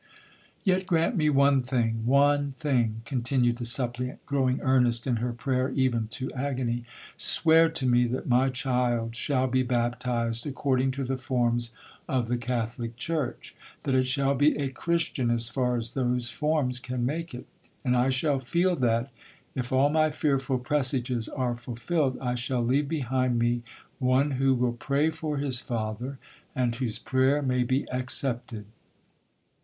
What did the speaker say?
Yet grant me one thing—one thing!' continued the suppliant, growing earnest in her prayer even to agony; 'swear to me that my child shall be baptised according to the forms of the Catholic church,—that it shall be a Christian as far as those forms can make it,—and I shall feel that, if all my fearful presages are fulfilled, I shall leave behind me one who will pray for his father, and whose prayer may be accepted.